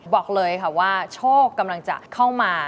บอกเลยค่ะว่าโชคกำลังจะเข้ามา